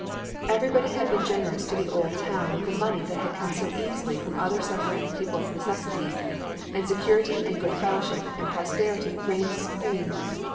Everybody had been generous to the old town with the money that had come so easily from other suffering people's necessities, and security and good fellowship and prosperity reigned supreme.